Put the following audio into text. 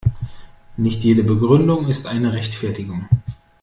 Nicht jede Begründung ist eine Rechtfertigung.